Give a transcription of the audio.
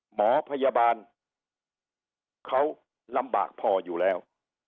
หมอพยาบาลเขาลำบากพออยู่แล้ว